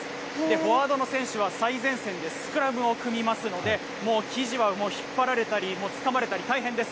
フォワードの選手は最前線でスクラムを組みますので、もう生地は、もう引っ張られたり、つかまれたり大変です。